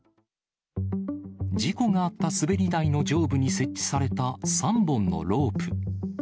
事故があった滑り台の上部に設置された３本のロープ。